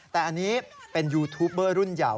แต่อันนี้เป็นยูทูปเบอร์รุ่นใหญ่